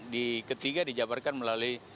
di ketiga dijabarkan melalui